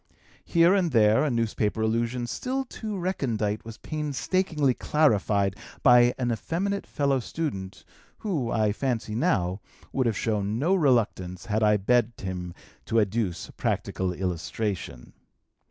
Here and there a newspaper allusion still too recondite was painstakingly clarified by an effeminate fellow student, who, I fancy now, would have shown no reluctance had I begged him to adduce practical illustration.